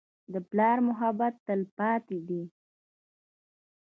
د پلار محبت تلپاتې دی.